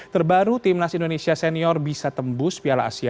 terbaru timnas indonesia senior bisa tergolong di indonesia